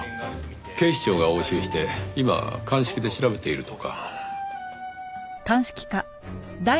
警視庁が押収して今鑑識で調べているとか。